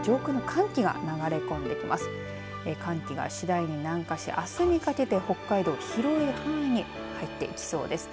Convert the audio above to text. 寒気が次第に南下しあすにかけて北海道広い範囲に入ってきそうです。